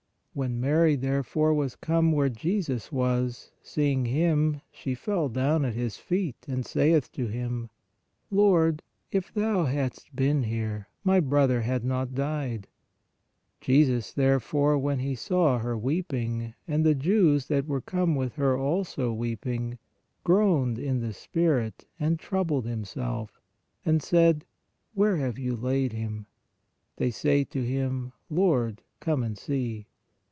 When Mary therefore was come where Jesus was, seeing Him, she fell down at His feet and saith to Him: Lord, if Thou hadst been here, my brother had not died. Jesus, therefore, when He saw her weeping, and the io6 PRAYER Jews that were come with her (also) weeping, groaned in the spirit and troubled Himself, and said: Where have you laid him? They say to Him : Lord, come and see.